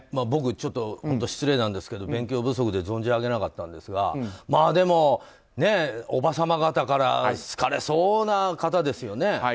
僕ちょっと失礼ですが勉強不足で存じ上げなかったんですがでも、おばさま方から好かれそうな方ですよね。